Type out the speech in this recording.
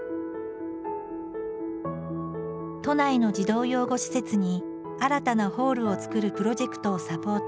都内の児童養護施設に新たなホールを作るプロジェクトをサポート。